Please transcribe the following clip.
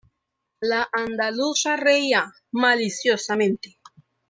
la andaluza reía maliciosamente: